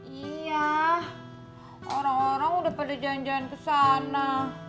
iya orang orang udah pada jalan jalan kesana